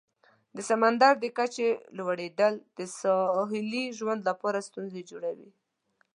د سمندر د کچې لوړیدل د ساحلي ژوند لپاره ستونزې جوړوي.